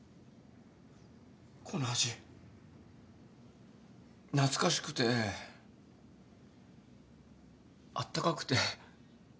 この味懐かしくてあったかくて。